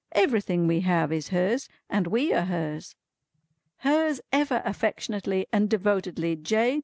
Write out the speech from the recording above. "Everything we have is hers, and we are hers." "Hers ever affectionately and devotedly J.